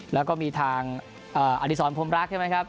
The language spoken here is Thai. แล้วก็มีทางอดีศรพรมรักใช่ไหมครับ